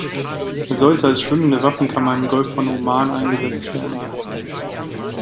Es sollte als schwimmende Waffenkammer im Golf von Oman eingesetzt werden.